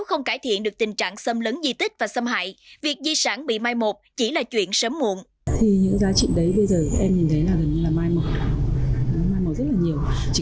không hiểu được giá trị của di sản trong đô thị